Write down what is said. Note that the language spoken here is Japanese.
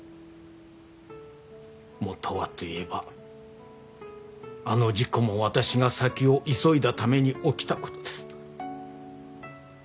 もとはと言えばあの事故もわたしが先を急いだために起きたことです。